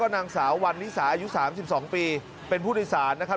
นางสาววันนิสาอายุ๓๒ปีเป็นผู้โดยสารนะครับ